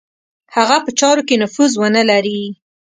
هغه په چارو کې نفوذ ونه لري.